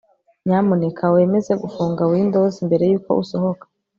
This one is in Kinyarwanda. nyamuneka wemeze gufunga windows mbere yuko usohoka